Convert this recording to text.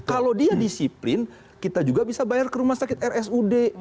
kalau dia disiplin kita juga bisa bayar ke rumah sakit rsud